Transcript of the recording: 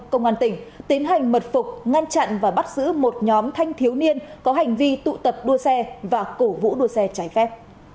công an tỉnh tiến hành mật phục ngăn chặn và bắt giữ một nhóm thanh thiếu niên có hành vi tụ tập đua xe và cổ vũ đua xe trái phép